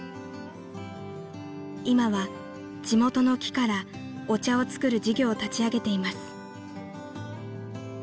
［今は地元の木からお茶を作る事業を立ち上げています］